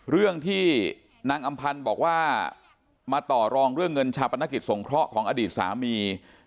เรื่องที่นางอำพันธ์บอกว่ามาต่อรองเรื่องเงินชาปนกิจสงเคราะห์ของอดีตสามี